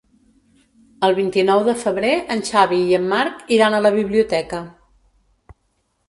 El vint-i-nou de febrer en Xavi i en Marc iran a la biblioteca.